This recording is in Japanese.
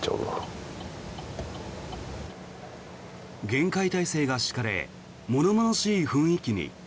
厳戒態勢が敷かれ物々しい雰囲気に。